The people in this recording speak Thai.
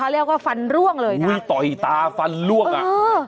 แล้วก็ฟันร่วงเลยนะอุ๊ยต่อยตาฟันร่วงอ่ะอื้อ